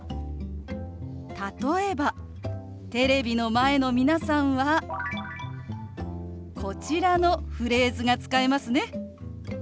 例えばテレビの前の皆さんはこちらのフレーズが使えますね。